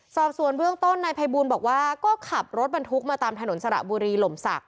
สอบส่วนเบื้องต้นนายภัยบูลบอกว่าก็ขับรถบรรทุกมาตามถนนสระบุรีหล่มศักด